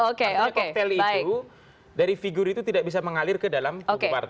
artinya koktel itu dari figur itu tidak bisa mengalir ke dalam tubuh partai